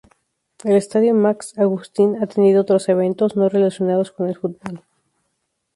El estadio Max Augustín ha tenido otros eventos no relacionados con el fútbol.